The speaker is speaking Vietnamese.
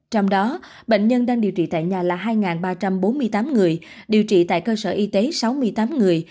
trong đó bệnh nhân đang điều trị tại nhà là hai ba trăm bốn mươi tám người điều trị tại cơ sở y tế sáu mươi tám người